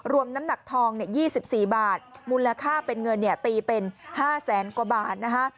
น้ำหนักทอง๒๔บาทมูลค่าเป็นเงินตีเป็น๕แสนกว่าบาทนะคะ